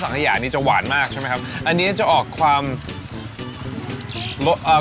ขยานี่จะหวานมากใช่ไหมครับอันนี้จะออกความอ่า